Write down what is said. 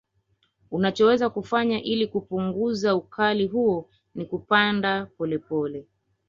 Unachoweza kufanya ili kupunguza ukali huo ni kupanda pole pole